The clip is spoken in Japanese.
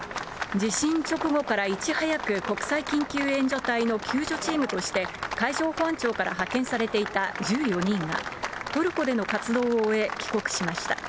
地震直後からいち早く国際緊急援助隊の救助チームとして海上保安庁から派遣されていた１４人が、トルコでの活動を終え、帰国しました。